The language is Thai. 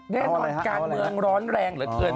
แน่นอนการเมืองร้อนแรงเหลือเกิน